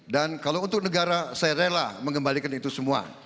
dan kalau untuk negara saya rela mengembalikan itu semua